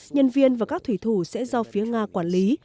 nhân viên và các thủy thủ sẽ do phía nga quản lý